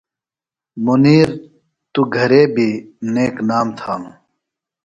مُنیر توۡ گھرےۡ بیۡ نیک نام تھانوۡ۔